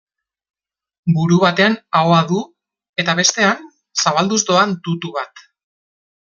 Buru batean ahoa du, eta bestean zabalduz doan tutu bat.